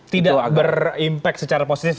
tidak berimpak secara positif